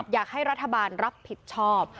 อยากให้รัฐบาลรับผิดชอบ